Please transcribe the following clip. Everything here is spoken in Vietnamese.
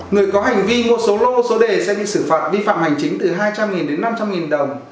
người có hành vi ngô số lô số đề sẽ bị xử phạt vi phạm hành chính từ hai trăm linh đồng